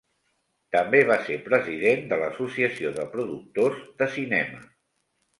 També va ser president de l'Associació de Productors de Cinema.